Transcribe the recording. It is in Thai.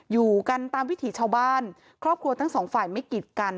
อยู่กันตามวิถีชาวบ้านครอบครัวทั้งสองฝ่ายไม่กิดกัน